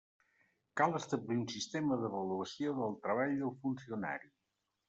Cal establir un sistema d'avaluació del treball del funcionari.